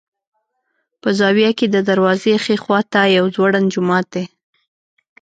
په زاویه کې د دروازې ښي خوا ته یو ځوړند جومات دی.